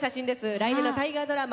来年の大河ドラマ